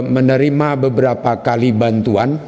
menerima beberapa kali bantuan